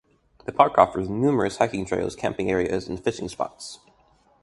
The park offers numerous hiking trails, camping areas, and fishing spots.